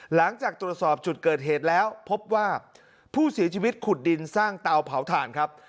หลังจากตรวจสอบจุดเกิดเหตุแล้วพบว่าผู้เสียชีวิตขุดดินสร้างเตาเผาถ่านครับ